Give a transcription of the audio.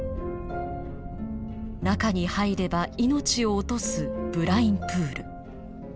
中に入れば命を落とすブラインプール。